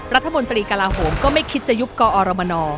รัฐมนตรีกลาโหมก็ไม่คิดจะยุบกอรมน